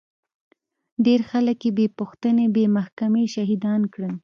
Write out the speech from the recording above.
ډېر خلک يې بې پوښتنې بې محکمې شهيدان کړل.